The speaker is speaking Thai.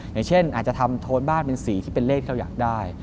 อย่างเช่นอาจจะทำโทนบ้านเป็นสีที่เป็นเลขที่เราอยากได้